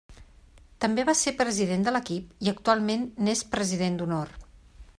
També va ser president de l'equip i actualment n'és president d'honor.